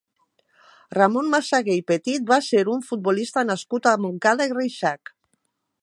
Ramon Masagué i Petit va ser un futbolista nascut a Montcada i Reixac.